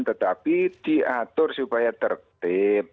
tetapi diatur supaya tertib